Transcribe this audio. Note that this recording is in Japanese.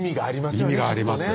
意味がありますよ